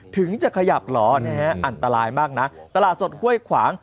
ถึงจะขยับเหรออันตรายมากนะตลาดสดห้วยขวาง